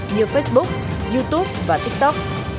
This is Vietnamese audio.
như facebook youtube và tiktok